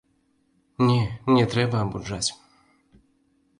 Не, не трэба абуджаць!